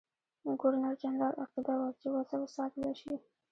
ګورنرجنرال عقیده وه چې وضع وڅارله شي.